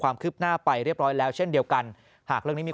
ความคืบหน้าไปเรียบร้อยแล้วเช่นเดียวกันหากเรื่องนี้มี